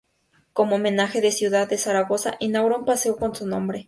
Como homenaje, la ciudad de Zaragoza, inauguró un paseo con su nombre.